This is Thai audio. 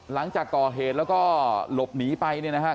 หลังจากก่อเหตุแล้วก็หลบหนีไปเนี่ยนะฮะ